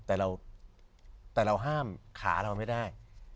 แต่เราห้ามขาเราไม่ได้